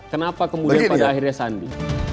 kenapa kemudian pada akhirnya sandi